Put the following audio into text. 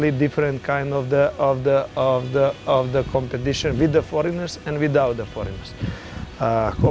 ini akan menjadi kompetisi yang berbeda dengan dan tanpa pelatih pelatih